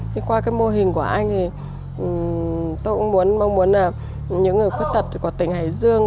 thì qua cái mô hình của anh thì tôi cũng muốn mong muốn là những người khuyết tật của tỉnh hải dương